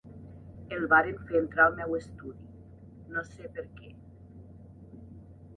El varen fer entrar al meu estudi, no sé perquè.